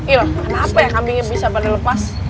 il kenapa ya kambingnya bisa pada lepas